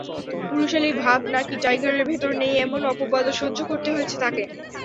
পুরুষালি ভাব নাকি টাইগারের ভেতর নেই, এমন অপবাদও সহ্য করতে হয়েছে তাঁকে।